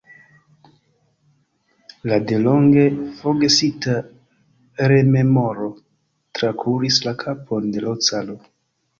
Ia delonge forgesita rememoro trakuris la kapon de l' caro.